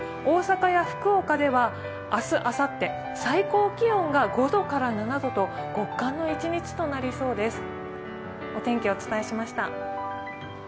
大阪や福岡では明日、あさって、最高気温が５度から７度と極寒の一日となりそうです。